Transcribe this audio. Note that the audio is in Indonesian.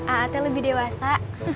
aa teh lebih dewasa